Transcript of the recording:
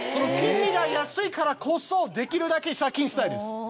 金利が安いからこそできるだけ借金したいです。